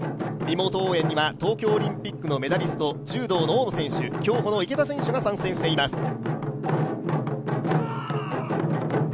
リモート応援には東京オリンピックのメダリスト柔道の大野選手、競歩の池田選手が参戦しています。